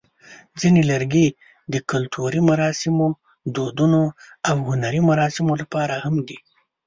ځینې لرګي د کلتوري مراسمو، دودونو، او هنري مراسمو لپاره مهم دي.